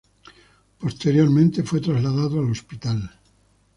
Posteriormente fue trasladado al hospital.